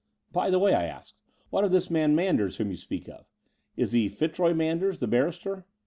By the way," I asked, "what about this man Manders, whom you speak of? Is he Fitzroy Manders, the barrister?"